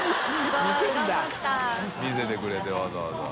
見せてくれてわざわざ。